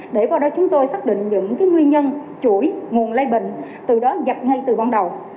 để qua đó chúng tôi xác định những nguyên nhân chuỗi nguồn lây bệnh từ đó dập ngay từ ban đầu